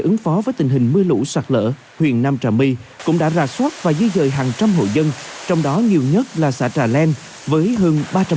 để ứng phó với tình hình mưa lũ sạt lở huyện nam trà my cũng đã ra soát và di dời hàng trăm hộ dân trong đó nhiều nhất là xã trà len với hơn ba trăm linh hộ